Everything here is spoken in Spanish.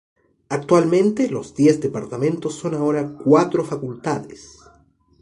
Actualmente los diez departamentos son ahora cuatro facultades.